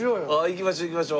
行きましょ行きましょ。